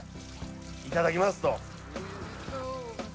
いただきますと。